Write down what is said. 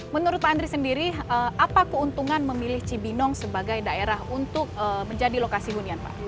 menurut pak andri sendiri apa keuntungan memilih cibinong sebagai daerah untuk menjadi lokasi hunian pak